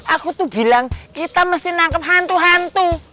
aku tuh bilang kita mesti nangkep hantu hantu